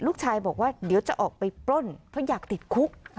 ลูกชายบอกว่าเดี๋ยวจะออกไปปล้นเพราะอยากติดคุก